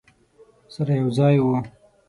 سره یو ځای وو.